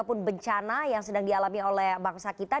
ataupun bencana yang sedang dialami oleh bangsa kita